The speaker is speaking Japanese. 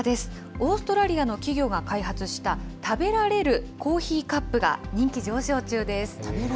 オーストラリアの企業が開発した食べられるコーヒーカップが人気上昇中です。